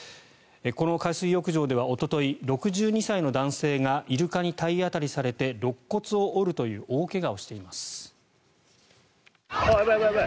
この海水浴場ではおととい６２歳の男性がイルカに体当たりされてろっ骨を折るという大怪我をしています。